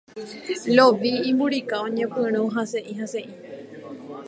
Lovi, imburika oñepyrũ hasẽ'ihasẽ'i.